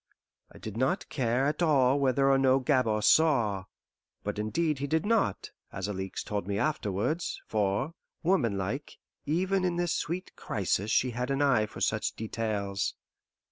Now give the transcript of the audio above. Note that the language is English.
I did not care at all whether or no Gabord saw; but indeed he did not, as Alixe told me afterwards, for, womanlike, even in this sweet crisis she had an eye for such details.